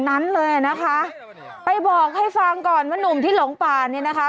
นั้นเลยอ่ะนะคะไปบอกให้ฟังก่อนว่านุ่มที่หลงป่าเนี่ยนะคะ